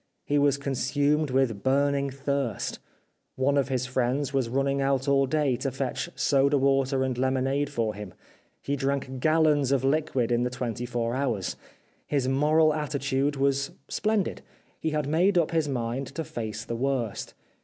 He was consumed with burning thirst. One of his friends was running out all day to fetch soda water and lemonade for him. He drank gallons of liquid in the twenty four hours. His moral attitude was splendid. He had made up his mind to face the worst.